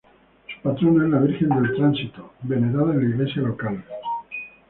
Su patrona es la Virgen del Tránsito venerada en la iglesia local.